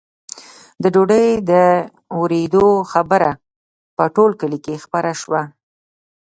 د ډوډۍ د ورېدو خبره په ټول کلي کې خپره شوه.